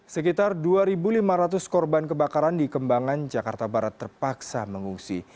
sekitar dua lima ratus korban kebakaran di kembangan jakarta barat terpaksa mengungsi